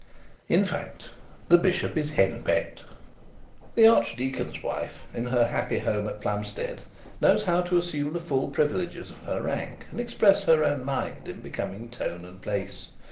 In fact, the bishop is henpecked. The archdeacon's wife, in her happy home at Plumstead, knows how to assume the full privileges of her rank, and express her own mind in becoming tone and place.